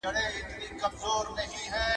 له هغه څخه ستر شخص جوړيږي.